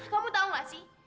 kamu tahu nggak sih